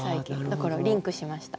だからリンクしました。